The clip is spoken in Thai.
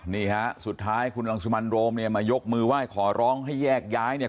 นี่ฮะสุดท้ายคุณรังสิมันโรมเนี่ยมายกมือไหว้ขอร้องให้แยกย้ายเนี่ย